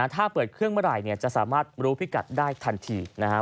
ถ้าเปิดเครื่องเมื่อไหร่จะสามารถรู้พิกัดได้ทันทีนะครับ